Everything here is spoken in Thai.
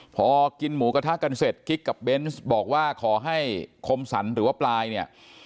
พอกินหมูกระทะกันเสร็จกิ๊กกับเบนส์บอกว่าขอให้คมสรรหรือว่าปลายเนี่ย